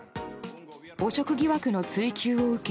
汚職疑惑の追及を受け